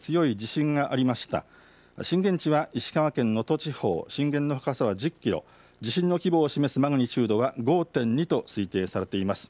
震源地は石川県能登地方、震源の深さは１０キロ、地震の規模を示すマグニチュードは５．２と推定されています。